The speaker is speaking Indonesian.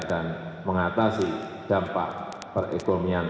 dan mengatasi dampak perekonomian